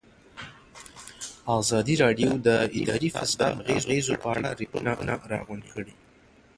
ازادي راډیو د اداري فساد د اغېزو په اړه ریپوټونه راغونډ کړي.